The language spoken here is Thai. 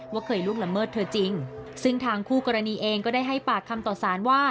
เคยล่วงละเมิดเธอจริงซึ่งทางคู่กรณีเองก็ได้ให้ปากคำต่อสารว่า